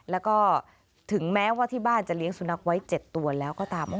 แล้วก็ถึงแม้ว่าที่บ้านจะเลี้ยงสุนัขไว้๗ตัวแล้วก็ตาม